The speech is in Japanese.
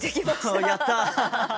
やった！